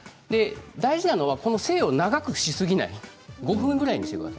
大事なのは静を長くしすぎない５分ぐらいにしてください。